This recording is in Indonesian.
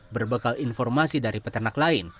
berbekal informasi dari peternak lain